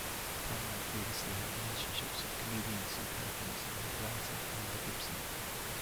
Cameron previously had relationships with comedian Sue Perkins and with writer Linda Gibson.